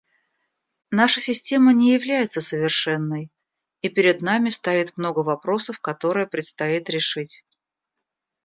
Наша система не является совершенной, и перед нами стоит много вопросов, которые предстоит решить.